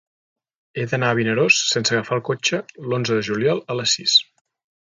He d'anar a Vinaròs sense agafar el cotxe l'onze de juliol a les sis.